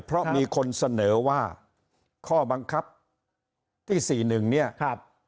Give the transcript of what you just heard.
เพราะมีคนเสนอว่าข้อบังคับที่สี่หนึ่งเนี่ยครับ